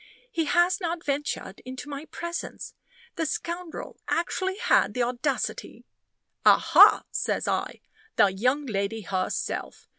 "He has not ventured into my presence. The scoundrel actually had the audacity " "Aha!" says I. "The young lady herself!